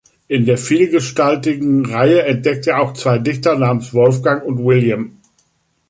In der vielgestaltigen Reihe entdeckt er auch zwei Dichter namens Wolfgang und William.